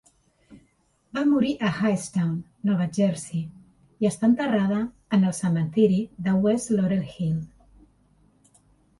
Va morir a Hightstown, Nova Jersey i està enterrada en el cementiri de West Llorer Hill.